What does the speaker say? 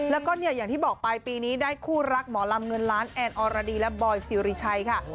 แล้วก็เนี่ยอย่างที่บอกไปปีนี้ได้คู่รักหมอลำเงินล้านแอนออรดีและบอยซิริชัยค่ะ